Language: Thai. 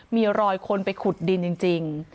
มีรอยคนไปขุดดินจริง